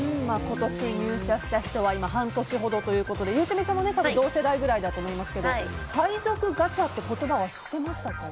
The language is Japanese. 今年入社した人は今、半年ほどということでゆうちゃみさんも同世代くらいだと思いますけど配属ガチャって言葉は知ってましたか？